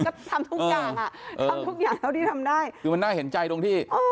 ก็ทำทุกอย่างอ่ะทำทุกอย่างเท่าที่ทำได้คือมันน่าเห็นใจตรงที่